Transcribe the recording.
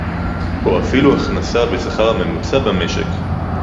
או אפילו הכנסה בשכר הממוצע במשק